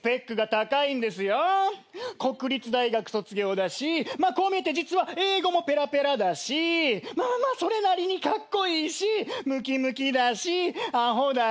国立大学卒業だしこう見えて実は英語もペラペラだしまあまあそれなりにカッコイイしムキムキだしアホだし。